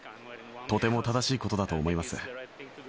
とても正しいことだと思います。